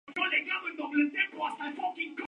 Así nació la "Reserva Mosquitia".